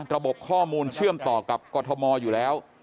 ระบบข้อมูลเชื่อมต่อกับกรทมอยู่แล้ว